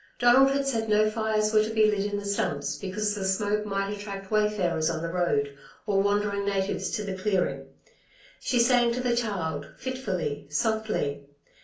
Donald had said no fires were to be lit in the stumps because the smoke might attract wayfarers on the road, or wandering natives to the clearing. She sang to the child, fitfully, softly.